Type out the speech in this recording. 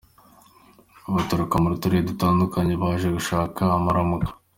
Baturuka mu turere dutandukanye baje gushaka amaramuko.